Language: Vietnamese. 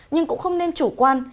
nhưng cũng không nên chủ quan